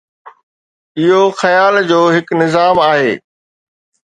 اهو خيال جو هڪ نظام آهي.